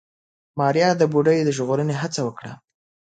ماريا د بوډۍ د ژغورنې هڅه وکړه.